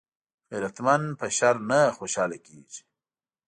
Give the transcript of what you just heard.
غیرتمند په شر نه خوشحاله کېږي